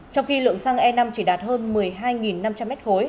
trong khi lượng xăng e năm chỉ đạt hơn một mươi hai năm trăm linh m ba